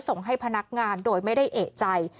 ส่งให้พนักงานโดยไม่ได้เอกใจ